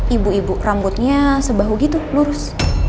ibu ibu rambutnya sebahu gitu lurus